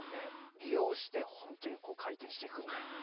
利用して本当に回転していくんだよ。